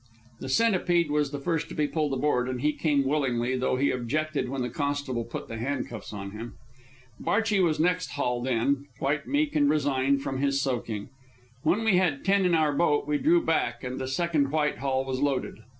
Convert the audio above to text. The Centipede was the first to be pulled aboard, and he came willingly, though he objected when the constable put the handcuffs on him. Barchi was next hauled in, quite meek and resigned from his soaking. When we had ten in our boat we drew back, and the second Whitehall was loaded.